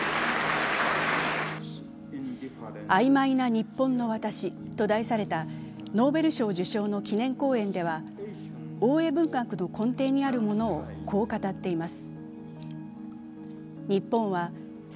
「あいまいな日本の私」と題されたノーベル賞受賞の記念講演では大江文学の根底にあるものをこう語っています。